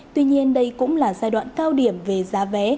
tuy nhiên đây cũng là giai đoạn cao điểm về giá vé